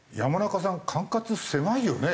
管轄狭いよね。